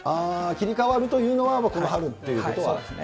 切り替わるというのは、この春っていうことは。